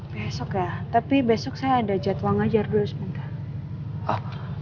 besok ya tapi besok saya ada jadwal ngajar dulu sebentar